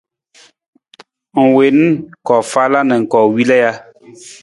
Ng wiin koofala na koowila ja?